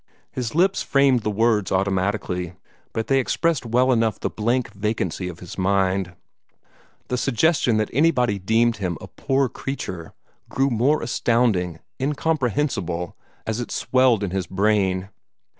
His lips framed the words automatically, but they expressed well enough the blank vacancy of his mind. The suggestion that anybody deemed him a "poor creature" grew more astounding, incomprehensible, as it swelled in his brain.